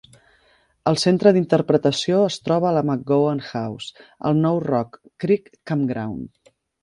El centre d'interpretació es troba a la McGowan House, al nou Rock Creek Campground.